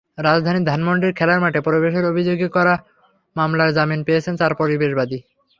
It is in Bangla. রাজধানীর ধানমন্ডির খেলার মাঠে প্রবেশের অভিযোগে করা মামলায় জামিন পেয়েছেন চার পরিবেশবাদী।